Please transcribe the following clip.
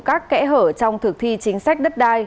các kẽ hở trong thực thi chính sách đất đai